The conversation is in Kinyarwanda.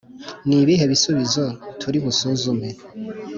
Ni ibihe bibazo turi busuzume